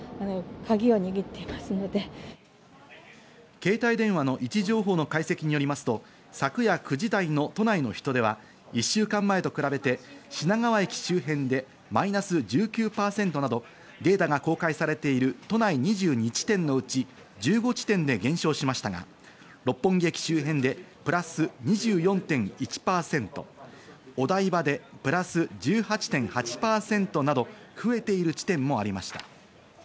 携帯電話の位置情報の解析によりますと、昨夜９時台の都内の人出は１週間前と比べて品川駅周辺でマイナス１９％など、データが公開されている都内２２地点のうち１５地点で減少しましたが、六本木駅周辺でプラス２４．１％、お台場でプラス１８．８％など増えている地点もありました。